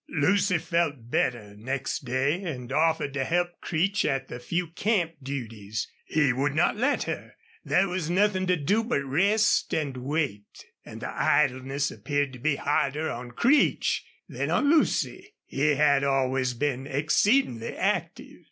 Lucy felt better next day, and offered to help Creech at the few camp duties. He would not let her. There was nothing to do but rest and wait, and the idleness appeared to be harder on Creech than on Lucy. He had always been exceedingly active.